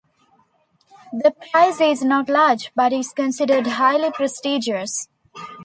The prize is not large, but is considered highly prestigious.